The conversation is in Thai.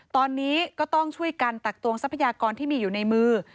ตอนนี้ก็ต้องช่วยกันตักตวงทรัพยากรที่มีอยู่ในมือ